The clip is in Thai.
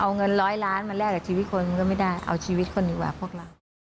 เอาเงินร้อยล้านมาแลกกับชีวิตคนก็ไม่ได้เอาชีวิตคนดีกว่าพวกเรา